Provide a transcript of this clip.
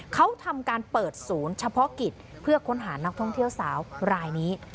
เขาทำการเปิดศูนย์เฉพาะกิจเพื่อค้นหานักท่องเที่ยวสาวรายนี้